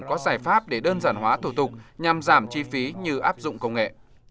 có giải pháp để đơn giản hóa thủ tục nhằm giảm chi phí như áp dụng công nghệ